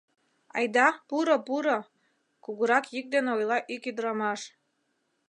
«Айда, пуро, пуро!» кугурак йӱк дене ойла ик ӱдрамаш.